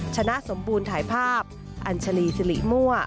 ชนะสมบูรณ์ถ่ายภาพอัญชลีสิริมั่ว